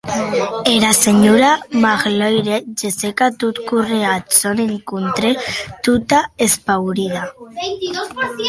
Era senhora Magloire gessec a tot córrer ath sòn encontre tota espaurida.